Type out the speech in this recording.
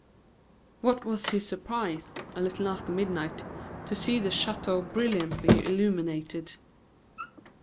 What was his surprise, a little after midnight, to see the chateau brilliantly illuminated.